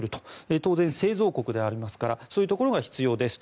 当然、製造国でありますからそういうところが必要ですと。